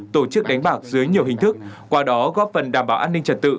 tổ chức đánh bạc dưới nhiều hình thức qua đó góp phần đảm bảo an ninh trật tự